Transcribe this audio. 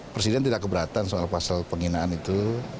presiden tidak keberatan soal pasal penghinaan itu